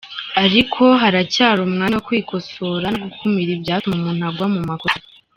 Ariko, haracyari umwanya wo kwikosora no gukumira ibyatuma umuntu agwa mu makosa.